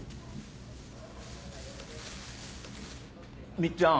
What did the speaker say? みっちゃん